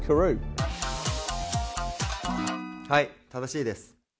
はい、正しいです。